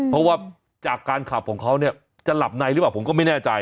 เพราะว่าจากการขับของเขาเนี่ยจะหลับในหรือเปล่าผมก็ไม่แน่ใจ